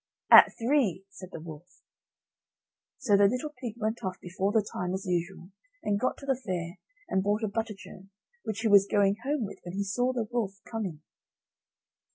"At three," said the wolf. So the little pig went off before the time as usual, and got to the fair, and bought a butter churn, which he was going home with, when he saw the wolf coming.